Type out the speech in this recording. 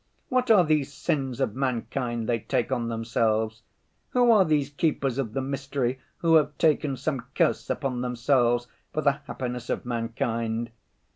What are these sins of mankind they take on themselves? Who are these keepers of the mystery who have taken some curse upon themselves for the happiness of mankind?